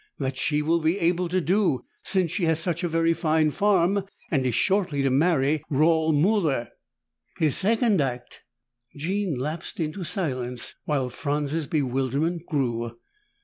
That she will be able to do, since she has such a very fine farm and is shortly to marry Raul Muller. His second act " Jean lapsed into silence while Franz's bewilderment grew.